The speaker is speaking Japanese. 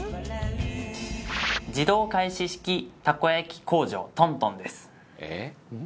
自動返し式たこ焼き工場トントンです。